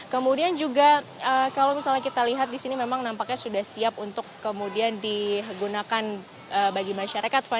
kemudian juga kalau misalnya kita lihat di sini memang nampaknya sudah siap untuk kemudian digunakan bagi masyarakat